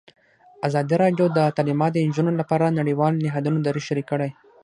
ازادي راډیو د تعلیمات د نجونو لپاره د نړیوالو نهادونو دریځ شریک کړی.